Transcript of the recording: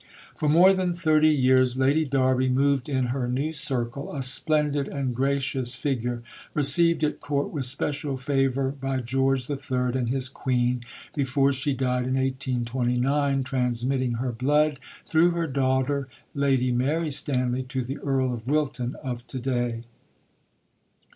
For more than thirty years Lady Derby moved in her new circle, a splendid and gracious figure, received at Court with special favour by George III and his Queen, before she died in 1829, transmitting her blood, through her daughter, Lady Mary Stanley, to the Earl of Wilton of to day.